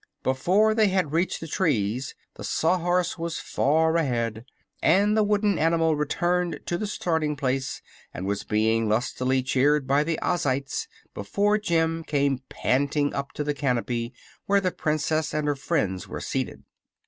Before they had reached the trees the Sawhorse was far ahead, and the wooden animal returned to the starting place and was being lustily cheered by the Ozites before Jim came panting up to the canopy where the Princess and her friends were seated.